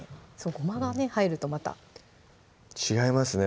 ごまが入るとまた違いますね